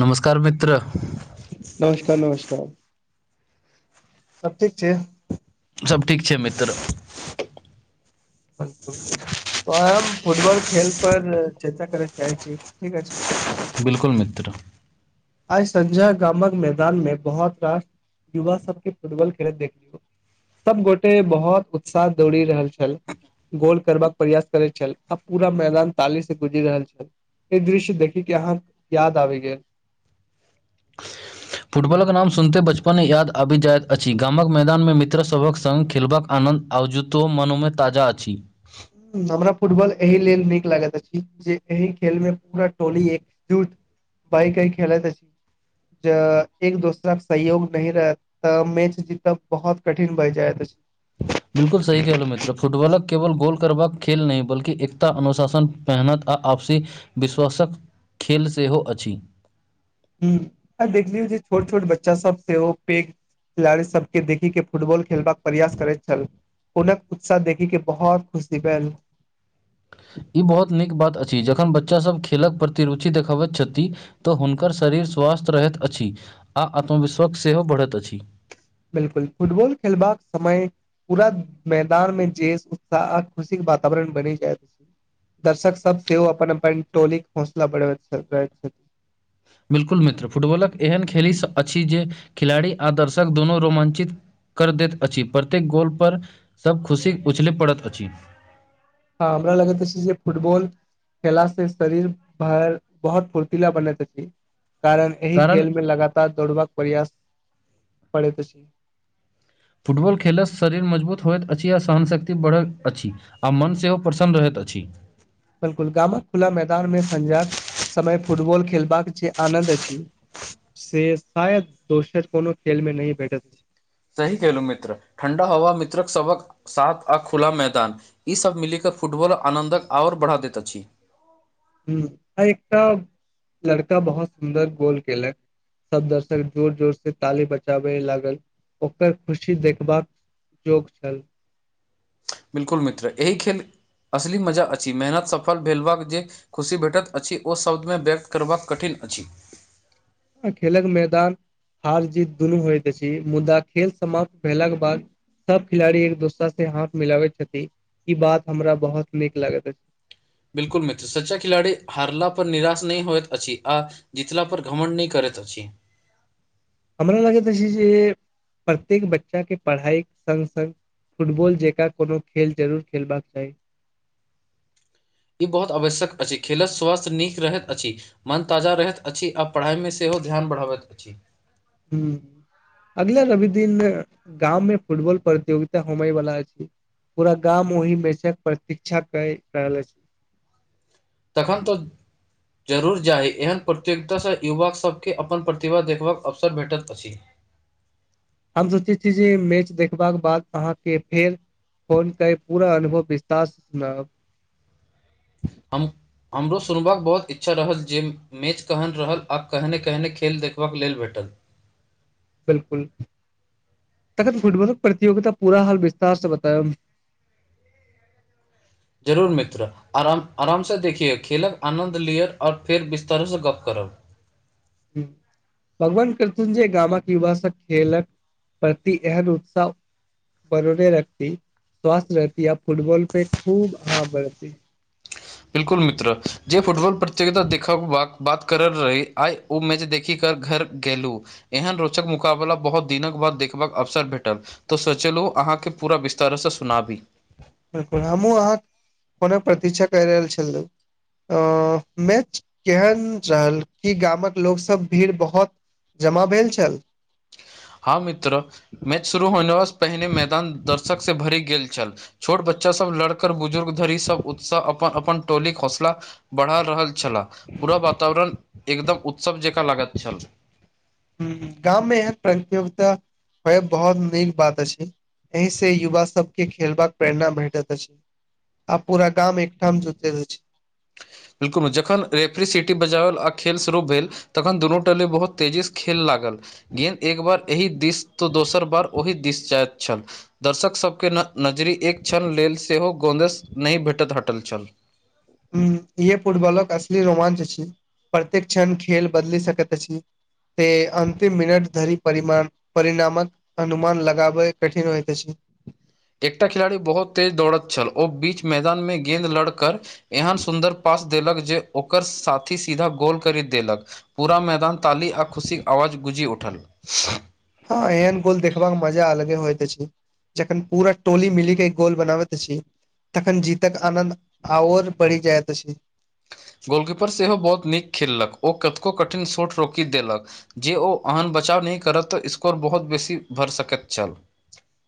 नमस्कार मित्र नमस्कार नमस्कार सब ठीक छै सभ ठीक छै मित्र [inaudible] ओहा म फुटबल खेल पर चर्चा कर चाह छी ठीक छै बिल्कुल मित्र आइ संजय गामक मैदान में बहुत रास युवा सबके फुटबॉल खेलत देखलियौ सब गोटे बहुत उत्साह दौरी रहल छल गोल करबाक प्रयास करे छल आ पूरा मैदान ताली से गुजरि रहल छल ए दृश्य देखी के अहाँ याद आबि गेल फुटबॉलक नाम सुनते बचपन याद आबि जाइत अछि गामक मैदानमे मित्रसभक संग खेलबाक आनन्द आओजुतो मनोमे ताजा अछि हमरा फुटबॉल एहि लेल नीक लागैत अछि जे एहि खेल मे पूरा टोली एक जूट भइ कई खेलैत अछि ज एक दोसरा के सहयोग नहि रहत तऽ मैच जीतब बहुत कठिन भए जायत अछि बिलकुल सही केहलहु मित्र फुटबॉलक केवल गोल करबाक खेल नहि बल्कि एकता अनुशासन पहनत आ आपसी विश्वासक खेल सेहो अछि हूँ देखलियौ जे छोट छोट बच्चा सब सेहो पेघ खेलाड़ी सबके देखिक के फुटबॉल खेलबाक प्रयास करैत छल हुनक उत्साह देखिक के बहोत खुशी भेल ई बहुत नीक बात अछि जखन बच्चा सब खेलक प्रति रुचि देखबैत छथि तऽ हुनकर शरीर स्वस्थ्य रहैत अछि आ आत्मविश्वास सेहो बढ़ैत अछि बिलकुल फुटबॉल खेलबाक समय पूरा मैदान में जे उत्साह आ खुशी के वातावरण बनी जायत अछि दर्शक सब सेहो अपन अपन टोली के हौसला बढ़बैत रहे छथि बिल्कुल मित्र फुटबॉलक एहेन खेली अछि जे खिलाड़ी आ दर्शक दोननो रोमाञ्चित कर दैत अछि प्रत्येक गोल पर सब खुशी उछलै पड़ैत अछि हँ हमरा लगैत छी जे फुटबॉल खेलला से शरीर भर बहुत फुर्तीला बनैत अछि कारण एहि खेल मे लगातार दौड़बाक प्रयास पड़ैत अछि फुटबॉल खेलयसँ शरीर मजबूत होइत अछि आ सहनशक्ति बढ़ैत अछि आ मन सेहो प्रसन्न रहैत अछि बिलकुल गामक खुला मैदान मे संझाजक समय फुटबॉल खेलबाक छै आनंन्द अछि से शायद दोसर कोनो खेल में नहि भेटत अछि सही केलहुँ मित्र ठण्डा हवा मित्रक सबक साथ आ खुला मैदान ई सब मिली क फुटबॉल आनंन्द ओर बढ़ा दैत अछि ह आ एकटा लड़का बहुत सुन्दर गोल केलक सब दर्शक जोर जोर से ताली बजाबे लागल ओकर खुशी देखबाक चौक छल बिल्कुल मित्र एहि खेल असली मजा अछि मेहनत सफल भेलबाक जे खुशी भेटत अछि ओ शब्दमे व्यक्त करबाक कठिन अछि खेलक मैदान हार जीत दुनू होइत अछि मुदा खेल समाप्त भेला कऽ बाद सब खिलाड़ी एक दोसरा से हाथ मिलवे छथि ई बात हमरा बहुत निक लगैत अछि बिल्कुल मित्र सच्चा खिलाड़ी हारला पर निराश नय होइत अछि आ जितला पर घ्रमण नय करैत अछि हमरा लगैत छै जे प्रत्येक बच्चा केँ पढ़ाइ केँ संग संग फुटबॉल जकाँ कोनो खेल जरूर खेलबाक चाही ई बहुत आवश्यक अछि खेलत स्वास्थ्य नीक रहैत अछि मन ताजा रहैत अछि आ पढ़ाइ मे सेहो ध्यान बढ़ाबैत अछि हुँ अगला रवि दिन गाम मे फुटबॉल प्रतियोगिता होबेय बला अछि पूरा गामव ओहि मेचक प्रतिक्षा कैर रहले अछी तखन तऽ जरूर जाइ एहन प्रतियोगितासँ युवा सबके अपन प्रतिभा देखबाक अवसर भेटैत अछि हम सोचे छी जे मैच देखबाक बाद अहाँकेँ फेर फोन केँ पूरा अनुभव विश्तार सँ सुनब हम हमरो सुनबाक बहुत इच्छा रहत जे मैच कहन रहल आ कहने केहने खेल देखबाक लेल भेटल बिलकुल तखन फुटबॉलक प्रतियोगिता पूरा हाल विस्तार सँ बतैब जरूर मित्र आराम आराम सँ देखियौ खेलक आनन्द लिअ आओर फेर बिस्तर सँ गप्प करब भगवान करथुन जे गामक युवा सब खेलक प्रति एहेन उत्साह बनोनेरे रखती स्वासस्थ रहती आ फुटबॉल पे खूब आ बढ़ती बिलकुल मित्र जे फुटबल प्रतियोगता देखब बक बात करल रही आइ उ मैच देखि घर गेलूँ एहन रोचक मुकाबला बहुत दिनक बाद देखबाक अवसर भेटल तो सोचेेलो अहाँकेँ पूरा विस्तार सँ सुनाबी बिलकुल हमहूँ अहाँ कोना प्रतीक्षा कैय रहल छलू ओ मेच केहन रहल कि गामक लोक सब भीड़ बहुत जमा भेल छल हँ मित्र मैच शुरू होनेवा सँ पहिने मैदान दर्शक से भरि गेल छल छोट बच्चा सब लड़कर बुजुर्ग धरी सब उत्साह अपन अपन टोली होसला बढ़ा रहल छला पूरा वातावरण एकदम उत्सव जेकाँ लागैत छल हुँ गाँव मे एहेन प्रतियोगिता होएब बहुत नीक बात अछि एहि से युवा सबके खेलबाक प्रेरणा भेटैत अछि आ पूरा गाम एकठाम जुटैत अछि बिल्कुल जखन रेफ्री सिटी बजाओल आ खेल शुरू भेल तखन दुनू टोली बहुत तेजी से खेल लागल गेन्द एक बार एहि दिस तऽ दोसर बार ओहि दिस जाएत छल दर्शक सभ केँ न नजरी एक क्षण लेल सेहो गोदेेश नहि भेटैत हटल छल हुँ इहे फुटबॉलक असली रोमांच अछि प्रत्येक क्षण खेल बदली सकैत अछि से अन्तिम मिनट धरि परिमा परिणामक अनुमान लगाबै कठिन होइत अछि एकटा खिलाड़ी बहुत तेज दौड़त छल ओ बीच मैदान मे गेंद लड़कर एहन सुन्दर पास। देलक जे ओकर सीधा गोल करीइ देलक।। पूरा मैदान ताली आ खुशी आवाज गुजी उठल। हँ एहन गोल देखबाक मजा अलगे होइते अति। जखन पूरा टोली मिली के एक गोल बना बैत अछि। तखन जीतक आनन्द आओर बढ़ि जायइत अछि। गोलकीपर सेहो बहुत नीक खेललक ओ कतको कठिन शॉट रोकि देलक। जे ओ अहन बचाव नहि करत तऽ स्कोर बहुत बेसी भरी सकैत छल।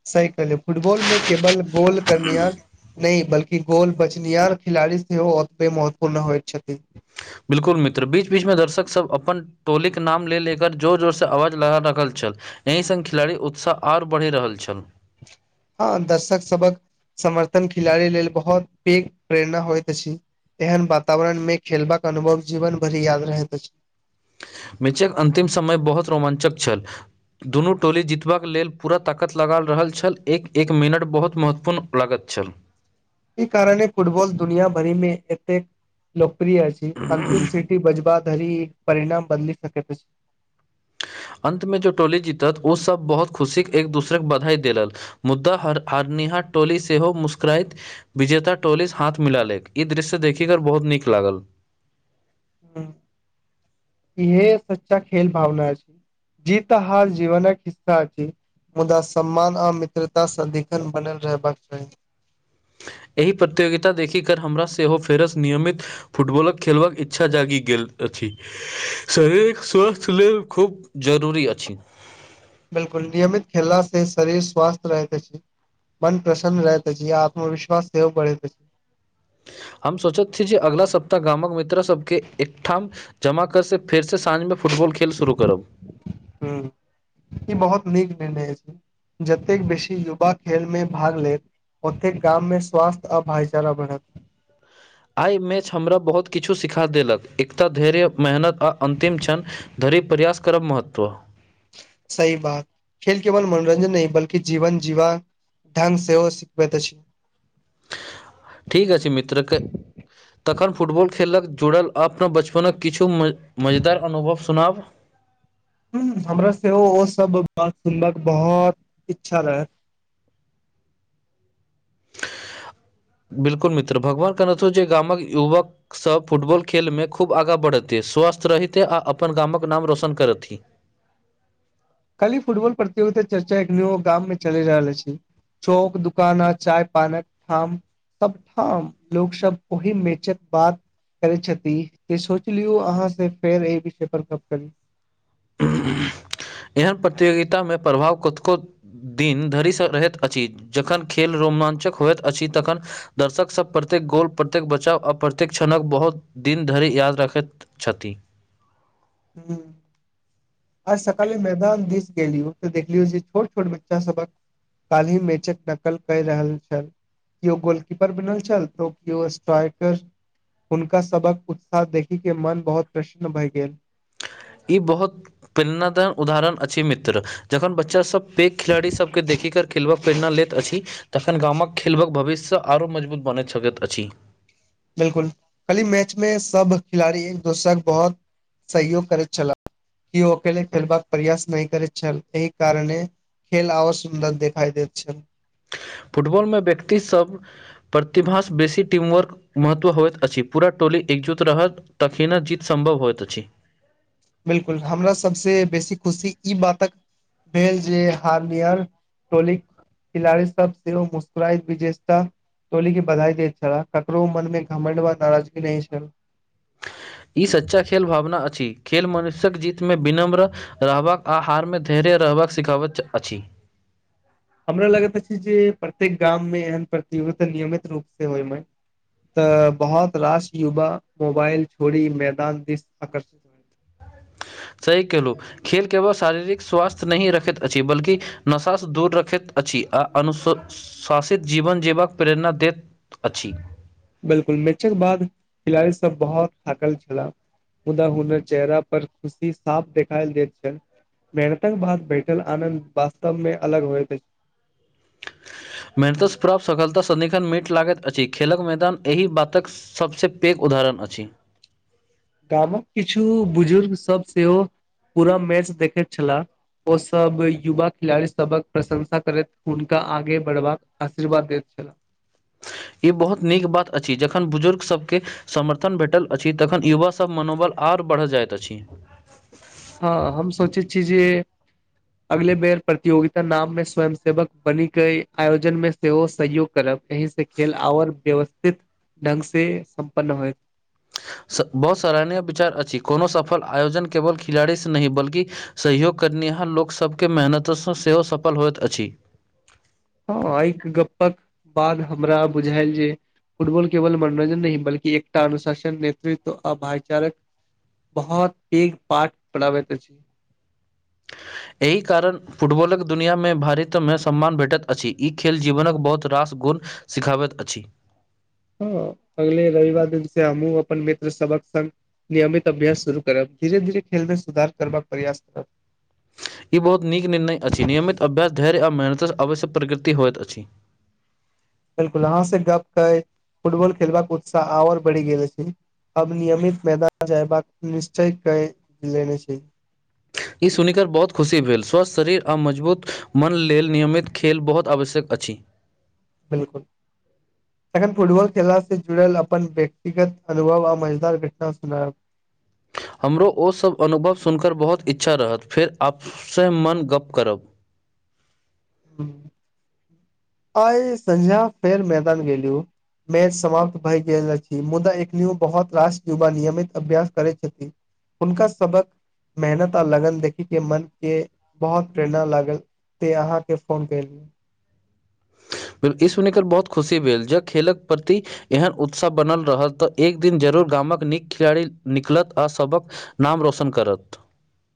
सही कहलिए फुटबॉल में केवल गोल कर निहार। नहि बल्कि गोल बचनि हार खिलाड़ी सेहो उतबे महत्वपूर्ण होइत छथि। बिल्कुल मित्र बीच बीचमे दर्शक सब अपन। टोलीक नाम ले ले कर जोर जोरसँ आवाज लगा रहल छल। एहि सङ्ग खेलाड़ी उत्साह आओर बढ़ि रहल छल। हँ दर्शक सब हक। समर्थन खिलाड़ी लेल बहुत पैघ प्रेरणा होइत अछि। एहन वातावरण में खेलबाक अनुभव जीवन भरि याद रहैत अछि। मेचक अन्तिम समय बहुत रोमाञ्चक छल। दुनू टोली जीत बाक लेल पूरा ताकत लगा रहल छल एक एक मिनट बहुत महत्वपूर्ण। लागत छ्न। ई कारणे फुटबल दुनिया भरिमे एतेक लोकप्रिय अछि अन्तिम सीट। बजब धरी परिणाम बदली सकैत अछि। अन्तमे जो टोली जीतत ओसभ बहुत खुशीके एक दूसरके बधाई देलल। मुद्दा हार हारनिहा टोली से हो मुस्करात विजेता टोलिस हाथ मिला ले ई दृश्य देखि कर बहुत नीक लागल। ह इहे सच्चा खेेल भावना अधि। जीत हर जीवन हिस्सा अछि। मुदा सम्मान आ मित्रता सँदिखन बनल रहबाक चाही। एहि प्रतियोगिता देखि कर हमरा सेहो फेरस नियमित। फुटबलक खेलबाक इच्छा जगि गेल अछि। शरीर स्वासस्थ लेल खूब जरूरी अछि। बिलकुल नियमित खेलला से शरीर स्वस्थ रहत अति। मन प्रसन्न रहैत अछि। आत्मविश्वास सेहो बढ़ैत अछि। हम सोचैत छी जे अगेला सप्ताह गामक मित्र सबके एकठाम। जमा कर से फेर स साँझमे फुटबॉल खेल शुरू करब। हूम ई बहुत नीक निर्णय अछि। जतेक बेसी युवा खेलमे भाग लैत। ओते गाम में स्वास्थ्य आ भाईचारा बढ़त। आ मैच हमरा बहुत किछु सिखा देलक एकता धेर्य मेहनत आ अंतिम क्षन। धयरी प्रयास करब महत्व। सही बात खेल केवल मनोरञ्जन नहि बल्कि जीवन जीवा। ढंग सेहो सिखबैत अछि। ठीक अछि मित्रके। तखन फुटबॉल खेलक जुड़ल अपन बचपनक किछु मजेदार अनुभव सुनाउ। ह हमरा सेहो ओ सब बात सुनाक बहुत इच्छा रहैय। बिलकुल मित्र भगवान करैथो जे गामक युवक। सब फुटबॉल खेलमे खूब आगाँ बढ़ते स्वस्थ्य रहितै आ अपन गामक नाम रोशन करथि खाली फुटबॉल प्रतियोगिता चर्चा एखन ओ गाम मे चलि रहल अछी चौक दुकान चाय पानक ठाम सबठाम लोक सब ओहि मेचक बात करै छथि जे सोच लियौ अहाँसँ फेर एहि विषय पर गप करू एहन प्रतियोगिता मे प्रभाव कतको दिन धरिसँ रहैत अछि जखन खेल रोमाञ्चक होइत अछि तखन दर्शक सब प्रत्येक गोल प्रत्येक बचाव आ प्रत्येक क्षणक बहुत दिन धरि याद रखैत छथि हूँ आज सकल मैदान दिस गेलियो तऽ देखलियो जे छोट छोट बच्चा सबक काल्हि मेचक नकल कए रहल छल कियो गोलकीपर बनल छल तओ कियो स्ट्राइकर हुनका सबक उत्साह देखी के मन बहुत प्रसन्न भए गेल ई बहुत प्रीणद उदाहरण अछि मित्र जखन बच्चासब पैघ खिलाड़ीसब के देखिक खेलबक प्रेरणा लैत अछि तखन गामक खेलबक भविष्यसँ आरो मजबूत बनैत सकैत अछि बिल्कुल खाली मैच मे सब खिलाड़ी एक दोसर बहुत सहयोग करैत छला कियो अकेले खेलबाक प्रयास नहि करैत छल एहि कारने खेल आओ सुन्दर देखा दैत छल फुटबॉलमे व्यक्तिसब प्रतिभास बेसी टीम वर्क महत्व होइत अछि पूरा टोली एकजूट रहत तखीना जीत संभव होइत अछी बिल्कुल हमरा सबसे बेसी खुशी ई बातक भेल जे हार्मियर टोलिक खिलाड़ी सब सेहो मुस्कुराए विजेता टोली के बधाई देैत छला ककरो मन मे घमंड वा नाराजगी नहि छल ई सच्चा खेल भावना अछि खेल मनुष्यक जीत मे विनम्र रहबाक आहार मे धैर्य रहबाक सिखाबैत अछि हमरा लगैत अछी जे प्रत्येक गाम मे एहन प्रतियोगित नियमित रूप से होय मे तऽ बहुत राश युवा मोबाइल छोड़ी मैदान दिस आकर्षित सही केहलु खेल केवल शारीरिक स्वास्थ्य नहि रखैत अछि बल्कि नशासँ दूर रखैत अछि आ अनु स स शासित जीवन जीबक प्रेरणा देत अछि बिल्कुल मैचक बाद खिलाड़ी सब बहुत थाकल छला मुदा हुनर चेहरा पर खुशी साफ देखाल देत छैल मेहनतक बाद बैठल आनंद वास्तव मे अलग होइत अछि मेहनतस प्राप्त सफलता सदिखन मीट लागैत अछि खेलक मैदान एहि बातक सबसे पैघ उदाहरण अछि गामक किछु बुजुर्गसब सेहो पूरा मैच देखैत छलाह ओसब युवा खिलाड़ीसबक प्रशंसा करैत हुनका आगे बढ़बाक आशीर्वाद देत छलाह ई बहुत नीक बात अछि जखन बुजुर्ग सब के समर्थन भेटल अछि तखन युवा सब मनोबल आर बढ़ जाइत अछि हँ हम सोचै छी जे अगले बेर प्रतियोगिता नाम मे स्वयं सेवक बनी कई आयोजन मे सेहो सहयोग करब एहिसँ खेल आओर व्यवस्थित ढंग से सम्पन्न होयत बहुत सराहनीय विचार अछि कोनो सफल आयोजन केवल खिलाड़ी से नहि बल्कि सहयोग करनिहाँ लोक सबके मेहनतसँ सेहो सफल होइत अछि हँ एक गप्पक बाद हमरा बुझायल जे फुटबॉल केवल मनोरंञ्जन नहि बल्क एकटा अनुशासन नेतृत्व अ भाचारक बहोत पैघ पाठ पबति अछि एहि कारण फुटबॉलक दुनिया मे भारत मे सम्मान भेटति अछि ई खेल जीवनक बहुत रास गुण सिखाबति अछि हं अगले रविवार दिन से हमहुँ अपन मित्र सबक संग नियमित अभ्यस शुरू करब धीर धीरे खेल मे सुधार करबाक प्रयास करब ई बहुत नीक निर्णय अछि नियमित अभ्यास धैर्य आ मेहनतसँ आवश्य प्रकृति होइत अछि बिलकुल आहां से गप कय फुटबॉल खेलबाक उत्साह आओर बढ़ि गेल छै अब नियमित मैदान चयबाक निश्चय कय लेने छै ई सुनिकऽ बहुत खुशी भेल स्वस्थ शरीर आ मजबूत मन लेल नियमित खेल बहुत आवश्यक अछि बिलकुल तखन फुटबॉल खेला से जुड़ल अपन व्यक्तिगत अनुभव आ मजेदार घटना सुनेऽब हमरो ओसभ अनुभव सुनकर बहुत इच्छा रहत फेर आपसँ मन गप्प करब हू आइ संज्य फेर मैदान गेलयो मेच समाप्त भय गेल अछि मुदा एक बहुत राष्ट्र युवा नियमित अभ्यास करै छथि उनका सबक मेहनत आ लगन देखी के मन के बहुत प्रेरणा लागल से अहाँ के फोन कैली ब इ सुनी कर बहुत खुशी भेल ज खेलक प्रति एहन उत्साह बनल रह तऽ एक दिन जरूर गामक नीक खिलाड़ी निकलत आ सबक नाम रोशन करत